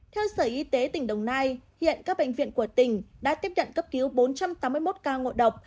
theo sở y tế tỉnh đồng nai hiện các bệnh viện của tỉnh đã tiếp nhận cấp cứu bốn trăm tám mươi một ca ngộ độc